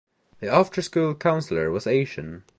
The after school counselor was Asian.